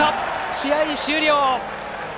試合終了。